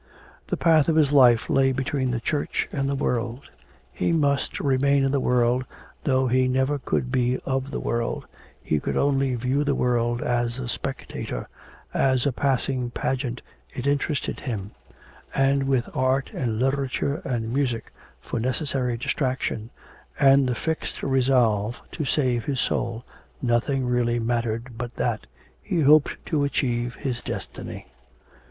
The path of his life lay between the church and the world; he must remain in the world though he never could be of the world, he could only view the world as a spectator, as a passing pageant it interested him; and with art and literature and music, for necessary distraction, and the fixed resolve to save his soul nothing really mattered but that he hoped to achieve his destiny.